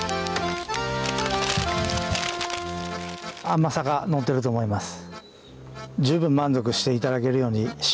甘さが乗ってると思います。